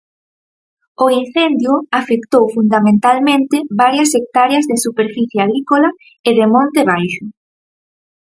O incendio afectou fundamentalmente varias hectáreas de superficie agrícola e de monte baixo.